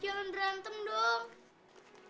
jangan berantem dong